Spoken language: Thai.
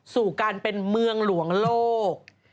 สู่การเป็นเมืองหลวงโลก